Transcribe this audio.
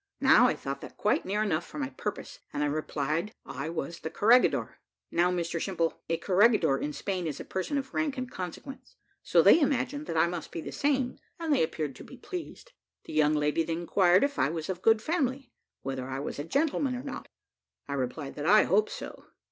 Now I thought that quite near enough for my purpose, and I replied that I was the corregidor. Now, Mr Simple, a corregidor in Spain is a person of rank and consequence, so they imagined that I must be the same, and they appeared to be pleased. The young lady then inquired if I was of good family whether I was a gentleman or not. I replied that I hoped so.